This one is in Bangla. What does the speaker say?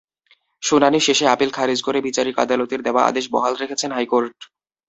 শুনানি শেষে আপিল খারিজ করে বিচারিক আদালতের দেওয়া আদেশ বহাল রেখেছেন হাইকোর্ট।